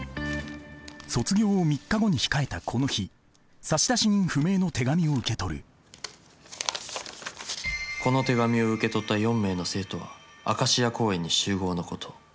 卒業を３日後に控えたこの日差出人不明の手紙を受け取る「この手紙を受け取った４名の生徒はアカシア公園に集合のこと」。